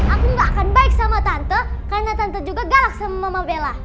aku gak akan baik sama tante karena tante juga galak sama mama bella